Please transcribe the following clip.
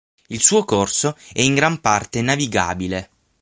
Il suo corso è in gran parte navigabile.